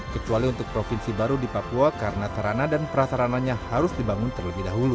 kecuali untuk provinsi baru di papua karena sarana dan prasarananya harus dibangun terlebih dahulu